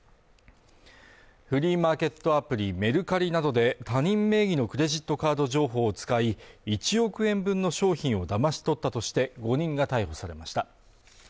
フリーマーケットアプリメルカリなどで他人名義のクレジットカード情報を使い、１億円分の商品をだまし取ったとして、５人が逮捕されました。